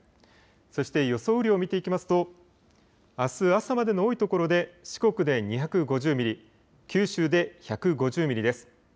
そして予想雨量、見ていきますとあす朝までの多い所で四国で２５０ミリ、九州で１５０ミリです。